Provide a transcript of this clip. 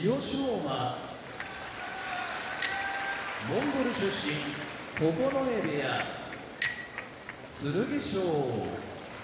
馬モンゴル出身九重部屋剣翔